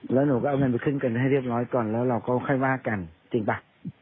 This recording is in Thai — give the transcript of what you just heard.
แล้วหนูก็เอาเงินไปขึ้นเงินให้เรียบร้อยก่อนแล้วเราก็ค่อยว่ากันจริงป่ะ